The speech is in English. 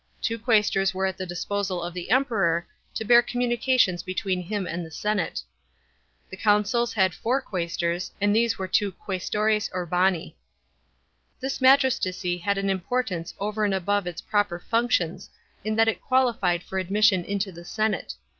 Two quaestors were at the disposal of the Emperor, to bear communications between him and the senate. The consuls had four qusestors. and these were two qusestores urbani. This magistracy had an importance over and above its proper functions, in that it qualified for admission into the senate.